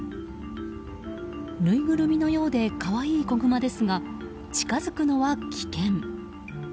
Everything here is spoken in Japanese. ぬいぐるみのようで可愛い子グマですが近づくのは危険。